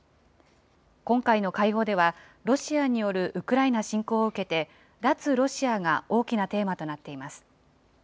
今回の会合では、ロシアによるウクライナ侵攻を受けて、脱ロシアが大きなテーマとなっています。